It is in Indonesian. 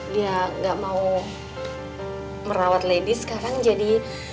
dia gak mau merawat lady sekarang jadi